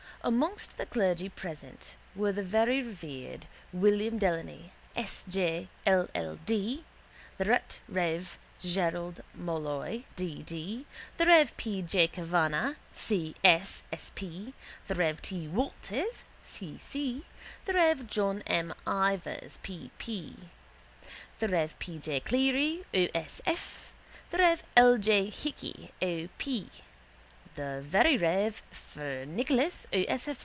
Amongst the clergy present were the very rev. William Delany, S. J., L. L. D.; the rt rev. Gerald Molloy, D. D.; the rev. P. J. Kavanagh, C. S. Sp.; the rev. T. Waters, C. C.; the rev. John M. Ivers, P. P.; the rev. P. J. Cleary, O. S. F.; the rev. L. J. Hickey, O. P.; the very rev. Fr. Nicholas, O.